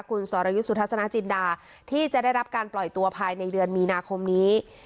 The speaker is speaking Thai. คุณสรยุทธ์สุทัศนาจินดาที่จะได้รับการปล่อยตัวภายในเดือนมีนาคมนี้